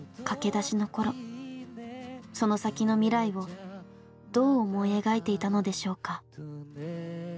その先の未来をどう思い描いていたのでしょうか。